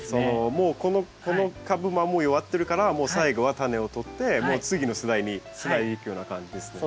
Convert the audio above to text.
もうこの株はもう弱ってるからもう最後はタネをとって次の世代につないでいくような感じですね。